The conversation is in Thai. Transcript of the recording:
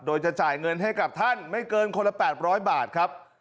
โดยจะจ่ายเงินให้กับท่านไม่เกินคนละ๘๐๐บาทครับ